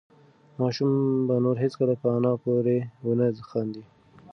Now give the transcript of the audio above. ماشوم به نور هېڅکله په انا پورې ونه خاندي.